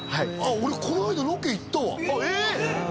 俺この間ロケ行ったわえっ！